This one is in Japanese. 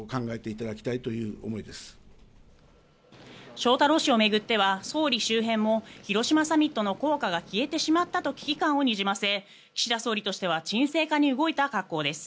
翔太郎氏を巡っては総理周辺も広島サミットの効果が消えてしまったと危機感をにじませ岸田総理としては沈静化に動いた格好です。